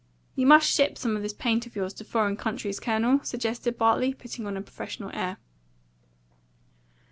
"You must ship some of this paint of yours to foreign countries, Colonel?" suggested Bartley, putting on a professional air.